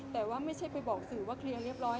แต่ว่าไม่ใช่ไปบอกสื่อว่าเคลียร์เรียบร้อย